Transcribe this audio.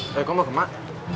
lo mau ke mak